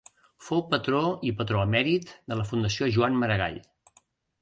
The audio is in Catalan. Fou patró i patró emèrit de la Fundació Joan Maragall.